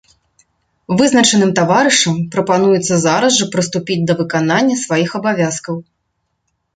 Вызначаным таварышам прапануецца зараз жа прыступіць да выканання сваіх абавязкаў.